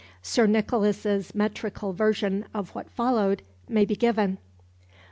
Sir Nicholas's metrical version of what followed may be given.